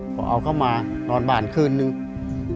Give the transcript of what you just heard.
พอเอาเข้ามานอนบ้านคืนนึง